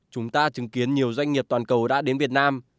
chúng ta chứng kiến nhiều doanh nghiệp toàn cầu đã đến việt nam